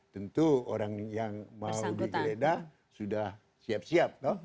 tentu orang yang mau digeledah sudah siap siap